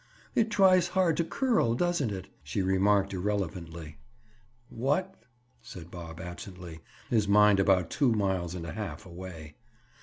"It tries hard to curl, doesn't it?" she remarked irrelevantly. "What?" said Bob absently, his mind about two miles and a half away.